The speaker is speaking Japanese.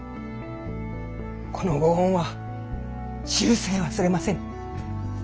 この御恩は終生忘れませぬ！